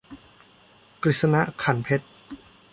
กฤษณะ ขรรค์เพชร